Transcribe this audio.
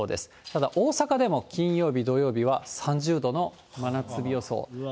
ただ、大阪でも金曜日、土曜日は３０度の真夏日予想。